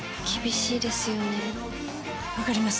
厳しいですよね。